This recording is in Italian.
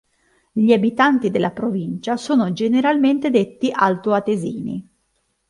Gli abitanti della provincia sono generalmente detti altoatesini.